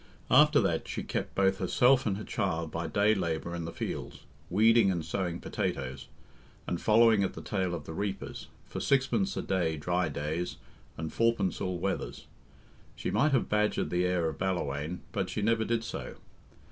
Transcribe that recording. After that she kept both herself and her child by day labour in the fields, weeding and sowing potatoes, and following at the tail of the reapers, for sixpence a day dry days, and fourpence all weathers. She might have badgered the heir of Ballawhaine, but she never did so.